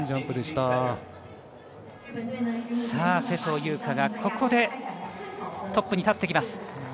勢藤優花がここでトップに立ってきます。